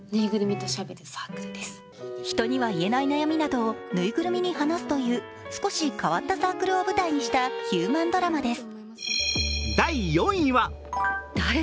人には言えない悩みなどをぬいぐるみに話すという少し変わったサークルを舞台にしたヒューマンドラマです。